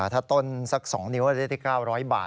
ถ้าต้นสัก๒นิ้วได้ที่๙๐๐บาท